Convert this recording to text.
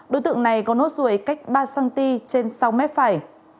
đối tượng này có nốt ruồi cách ba cm trên sáu m phải